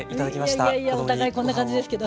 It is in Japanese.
いやいやいやお互いこんな感じですけど。